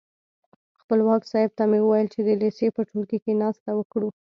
خپلواک صاحب ته مې وویل چې د لېسې په ټولګي کې ناسته وکړو.